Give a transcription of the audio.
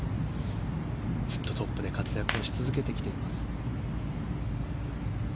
ずっとトップで活躍し続けてきています。